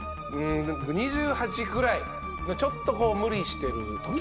２８くらいのちょっとこう無理してる。